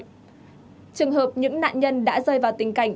trường hợp những nạn nhân đã rơi vào tình cảnh